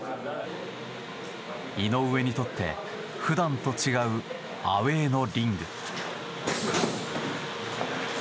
井上にとって普段と違うアウェーのリング。